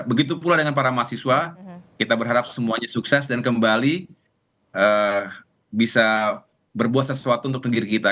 begitu pula dengan para mahasiswa kita berharap semuanya sukses dan kembali bisa berbuat sesuatu untuk negeri kita